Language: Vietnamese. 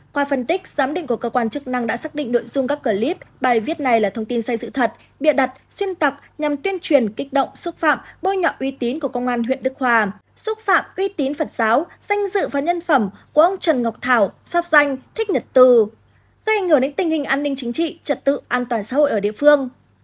qua phân tích giám định của cơ quan chức năng đã xác định nội dung các clip bài viết này là thông tin sai dự thật bịa đặt xuyên tập nhằm tuyên truyền kích động xúc phạm bôi nhọ uy tín của công an huyện đức hòa xúc phạm uy tín phật giáo danh dự và nhân phẩm của ông trần ngọc thảo pháp danh thích nhật từ gây ảnh hưởng đến tình hình an ninh chính trị trật tự an toàn xã hội ở địa phương